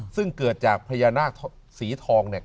ซึ่งเกิดจากพญานาคสีทองเนี่ย